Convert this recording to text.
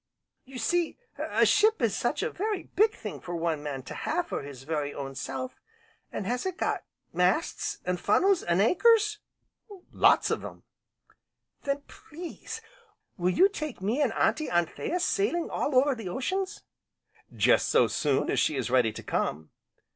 "You see, a ship is such a very big thing for one man to have for his very own self. An' has it got masts, an' funnels, an' anchors?" "Lots of 'em." "Then, please, when will you take me an' Auntie Anthea sailing all over the oceans?" "Just so soon as she is ready to come."